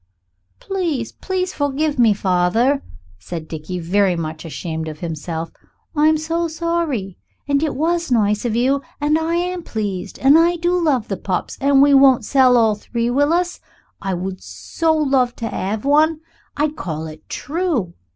"Please, please forgive me, father," said Dickie, very much ashamed of himself; "I am so sorry. And it was nice of you and I am pleased and I do love the pups and we won't sell all three, will us? I would so like to have one. I'd call it 'True.'